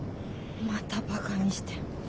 またバカにして。